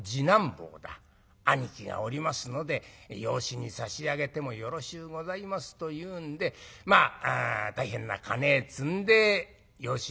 『兄貴がおりますので養子に差し上げてもよろしゅうございます』と言うんでまあ大変な金積んで養子に来てもらった。